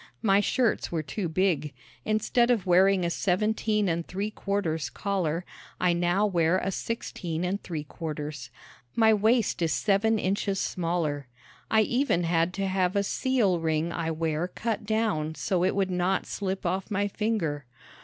My shirts were too big. Instead of wearing a seventeen and three quarters collar, I now wear a sixteen and three quarters. My waist is seven inches smaller. I even had to have a seal ring I wear cut down so it would not slip off my finger.